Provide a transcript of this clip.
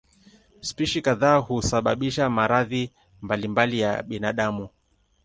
Spishi kadhaa husababisha maradhi mbalimbali ya binadamu.